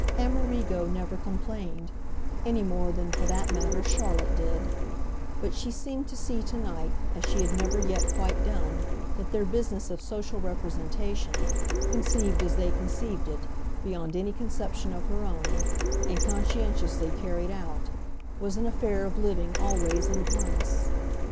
Amerigo never complained any more than, for that matter, Charlotte did; but she seemed to see to night as she had never yet quite done that their business of social representation, conceived as they conceived it, beyond any conception of her own, and conscientiously carried out, was an affair of living always in harness.